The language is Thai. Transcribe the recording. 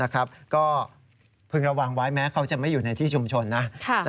ก็พึงระวังไว้แม้เขาจะไม่อยู่ในที่ชุมชนนะ